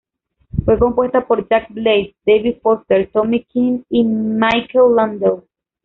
Fue compuesta por Jack Blades, David Foster, Tommy Keane y Michael Landau.